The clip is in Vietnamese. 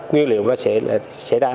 nguyên liệu nó sẽ xảy ra